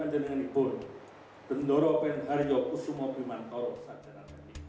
masjid besar pakualaman di sebelah barat dayapuro akan menjadi saksi ijab kobol